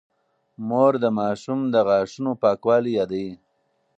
مور د ماشوم د غاښونو پاکوالی يادوي.